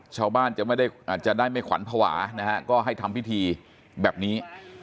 ชาวบ้านจะได้อาจจะได้ไม่ขวัญภาวะนะฮะก็ให้ทำพิธีแบบนี้